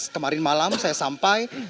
kemarin malam saya sampai